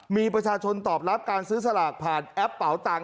มีประชาชนตอบรับการซื้อสลากผ่านแอปเป๋าตังค